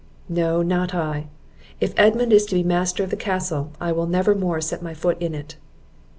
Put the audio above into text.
"No, not I; if Edmund is to be master of the castle, I will never more set my foot in it."